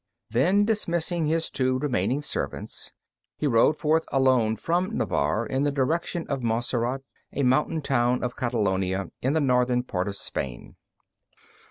Then dismissing his two remaining servants, he rode forth alone from Navarre in the direction of Montserrat, a mountain town of Catalonia in the northern part of Spain.